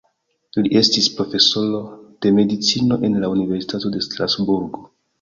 Li estis profesoro de medicino en la Universitato de Strasburgo.